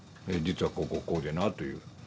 実はこうこうこうでなという。